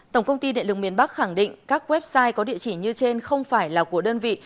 tổng công ty điện lực miền bắc khẳng định các website có địa chỉ như trên không phải là của đơn vị